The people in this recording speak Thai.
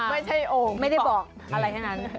ไม่ใช่โอ่งไม่ได้บอกอะไรทั้งนั้น